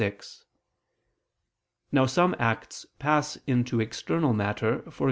Now some acts pass into external matter, e.